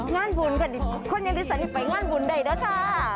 ง่านบุญค่ะดิคนยังได้สนิทไปง่านบุญได้เลยค่ะ